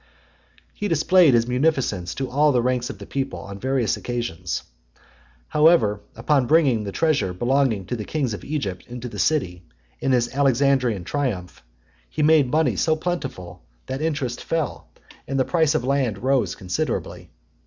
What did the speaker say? (104) XLI. He displayed his munificence to all ranks of the people on various occasions. Moreover, upon his bringing the treasure belonging to the kings of Egypt into the city, in his Alexandrian triumph, he made money so plentiful, that interest fell, and the price of land rose considerably.